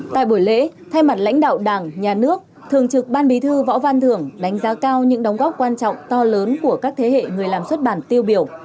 tại buổi lễ thay mặt lãnh đạo đảng nhà nước thường trực ban bí thư võ văn thưởng đánh giá cao những đóng góp quan trọng to lớn của các thế hệ người làm xuất bản tiêu biểu